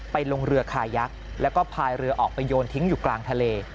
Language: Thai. ลงเรือคายักษ์แล้วก็พายเรือออกไปโยนทิ้งอยู่กลางทะเล